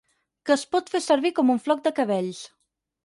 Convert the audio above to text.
Que es pot fer servir com un floc de cabells.